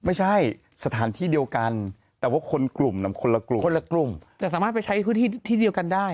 ไม่ใช่สถานที่เดียวกันแต่ว่าคนกลุ่มน่ะคนละกลุ่มคนละกลุ่มแต่สามารถไปใช้พื้นที่ที่เดียวกันได้